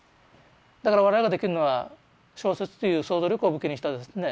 だから我々ができるのは小説という想像力を武器にしたですね